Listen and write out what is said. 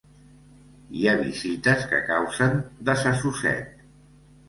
Hi ha visites que causen desassossec.